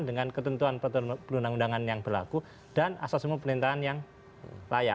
dengan ketentuan perundang undangan yang berlaku dan asas semua pemerintahan yang layak